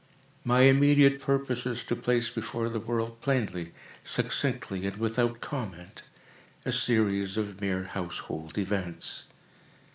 My immediate purpose is to place before the world, plainly, succinctly, and without comment, a series of mere household events.